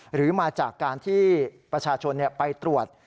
หรือมาจากการที่ประชาชนไปตรวจ